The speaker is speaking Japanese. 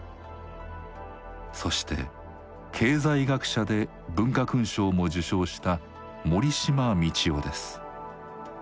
そして経済学者で文化勲章も受章した森嶋通夫です。